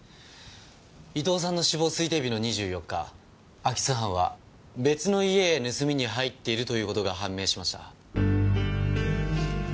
伊東さんの死亡推定日の２４日空き巣犯は別の家へ盗みに入っているという事が判明しました。